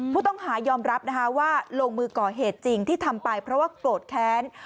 ผู้ต้องหายอมรับนะคะว่าลงมือก่อเหตุจริงที่ทำไปเพราะว่าโกรธแค้น